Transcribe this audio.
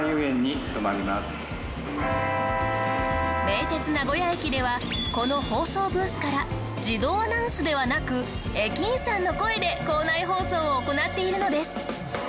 名鉄名古屋駅ではこの放送ブースから自動アナウンスではなく駅員さんの声で構内放送を行っているのです。